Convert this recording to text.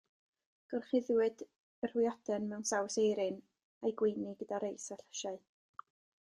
Gorchuddiwyd yr hwyaden mewn saws eirin, a'i gweini gyda reis a llysiau.